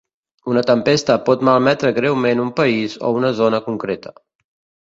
Una tempesta pot malmetre greument un país o una zona concreta.